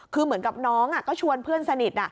คือเหมือนกับน้องก็ชวนเพื่อนสนิท